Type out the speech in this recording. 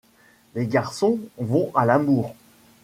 Les garçons vont à l'amour ;